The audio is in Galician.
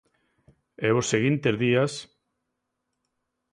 E os seguintes días?